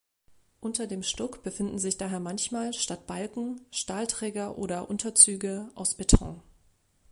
Unter dem Stuck finden sich daher manchmal statt Balken Stahlträger oder Unterzüge aus Beton.